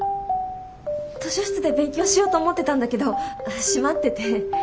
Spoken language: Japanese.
図書室で勉強しようと思ってたんだけど閉まってて。